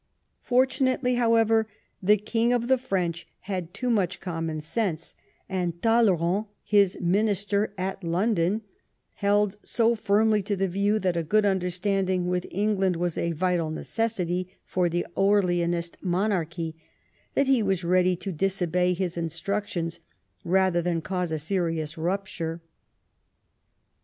Fortunately, however, the King of the French had too much common sense, and Talleyrand, his minister at London, held so firmly to the view that a good understanding with England was a vital necessity for the Orleanist monarchy, that he was ready to dis obey his iustructions rather than cause a serious rupture.